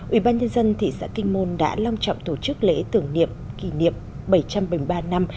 ubnd thị xã kinh môn đã long trọng tổ chức lễ tưởng niệm kỷ niệm bảy trăm bảy mươi ba năm